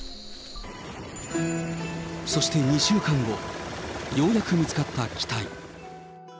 そして２週間後、ようやく見つかった機体。